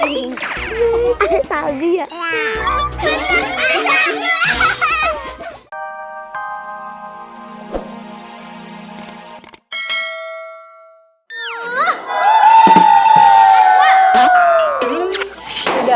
ada salju ya